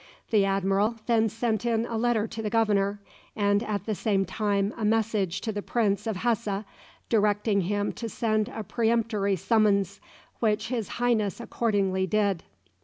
The admiral then sent in a letter to the governor, and at the same time a message to the Prince of Hesse, directing him to send a peremptory summons, which His Highness accordingly did.